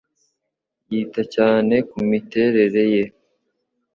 Yita cyane kumiterere ye.